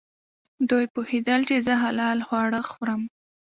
دوی پوهېدل چې زه حلال خواړه خورم.